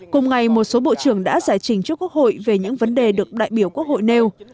cùng ngày một số bộ trưởng đã giải trình trước quốc hội về những vấn đề được đại biểu quốc hội nêu